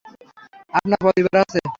আপনার পরিবার আছে?